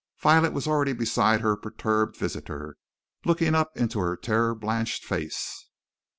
Violet was already beside her perturbed visitor, looking up into her terror blanched face.